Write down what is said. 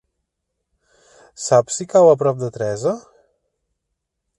Saps si cau a prop de Teresa?